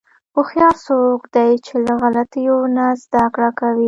هوښیار څوک دی چې له غلطیو نه زدهکړه کوي.